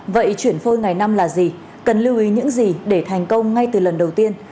vậy chuyển phôi ngày năm là gì cần lưu ý những gì để thành công ngay từ lần đầu tiên